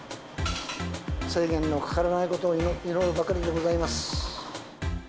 制限のかからないことを祈るばかりでございます。